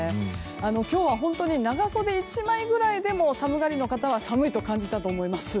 今日は本当に長袖１枚くらいでも寒がりの方は寒いと感じたと思います。